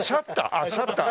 ああシャッター。